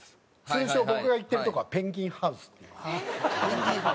通称僕が行ってるとこはペンギンハウスっていうのが。